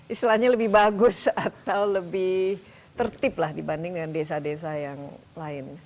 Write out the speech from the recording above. istilahnya lebih bagus atau lebih tertib lah dibanding dengan desa desa yang lain